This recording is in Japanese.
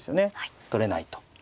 取れないと。